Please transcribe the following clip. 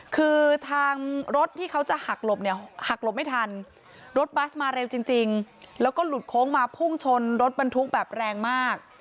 คือทางรถที่เขาจะหักหลบเนี่ยหักหลบไม่ทันรถบัสมาเร็วจริงแล้วก็หลุดโค้งมาพุ่งชนรถบรรทุกแบบแรงมาก